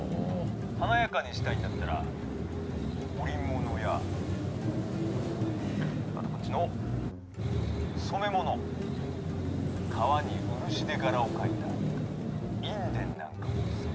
「華やかにしたいんだったら織物やあとこっちの染め物革に漆で柄を描いた印伝なんかもおすすめさ」。